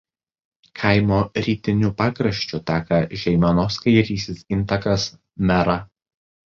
Kaimo rytiniu pakraščiu teka Žeimenos kairysis intakas Mera.